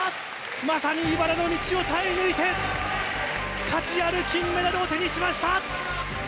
まさにいばらの道を耐え抜いて、価値ある金メダルを手にしました！